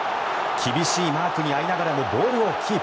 厳しいマークに遭いながらもボールをキープ。